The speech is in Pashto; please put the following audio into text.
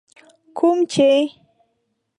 کوم چي